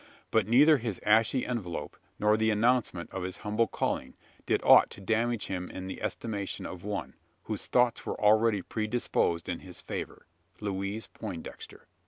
But neither his ashy envelope, nor the announcement of his humble calling, did aught to damage him in the estimation of one, whose thoughts were already predisposed in his favour Louise Poindexter.